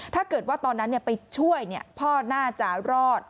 ถ้าเกิดว่าตอนนั้นไปช่วยพ่อน่าจะรอด